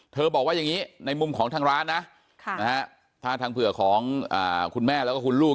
บอกว่าอย่างนี้ในมุมของทางร้านนะถ้าทางเผื่อของคุณแม่แล้วก็คุณลูก